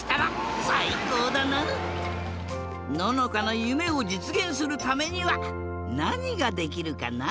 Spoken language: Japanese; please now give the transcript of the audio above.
ののかのゆめをじつげんするためにはなにができるかな？